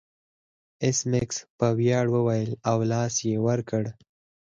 ایس میکس په ویاړ وویل او لاس یې ور کړ